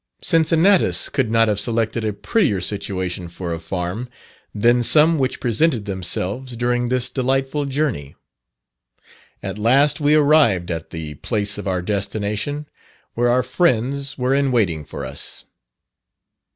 Cincinnatus could not have selected a prettier situation for a farm, than some which presented themselves, during this delightful journey. At last we arrived at the place of our destination, where our friends were in waiting for us.